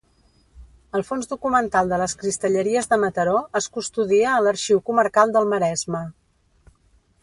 El fons documental de les Cristalleries de Mataró es custodia a l'Arxiu Comarcal del Maresme.